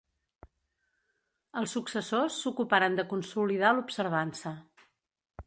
Els successors s'ocuparen de consolidar l'Observança.